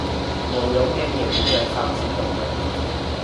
我永遠也不會放棄動漫